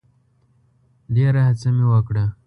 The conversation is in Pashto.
ډېره هڅه مي وکړه .